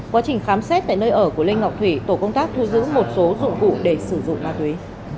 qua trình khám xét tại nơi ở của linh ngọc thủy tổ công tác thu giữ một số dụng vụ để sử dụng ma túy